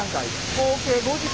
合計５時間半。